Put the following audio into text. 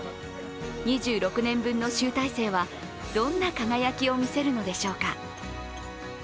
２６年分の集大成はどんな輝きを見せるのでしょうか。